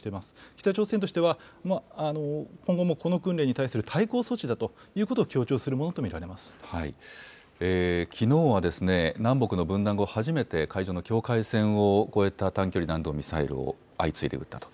北朝鮮としては、今後もこの訓練に対する対抗措置だということを強調するものと見きのうは南北の分断後、初めて海上の境界線を越えた短距離弾道ミサイルを相次いで撃ったと。